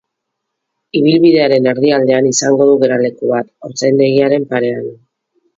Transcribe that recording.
Ibilbidearen erdialdean izango du geraleku bat, haurtzaindegiaren parean.